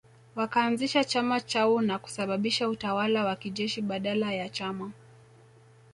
Wakaanzisha chama chao na kusababisha utawala wa kijeshi badala ya chama